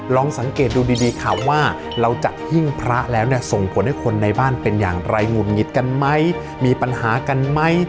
ลองสังเกตดูดีค่ะว่าเราจัดหิ้งพระแล้วเนี่ยส่งผลให้คนในบ้านเป็นอย่างไรหงุดหงิดกันไหมมีปัญหากันไหม